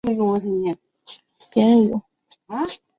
我总想着前面也许会有更好的